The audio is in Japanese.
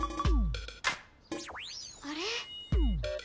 あれ？